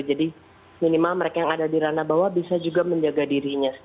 jadi minimal mereka yang ada di ranah bawah bisa juga menjaga dirinya